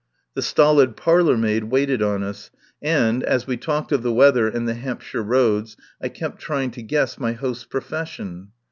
The stolid parlour maid waited on us, and, as we talked of the weather and the Hampshire roads, I kept trying to guess my host's pro fession.